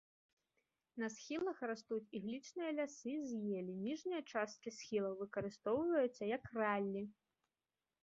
На схілах растуць іглічныя лясы з елі, ніжнія часткі схілаў выкарыстоўваюцца як раллі.